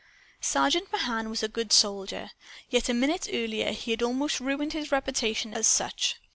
Sergeant Mahan was a good soldier. Yet a minute earlier he had almost ruined his reputation as such.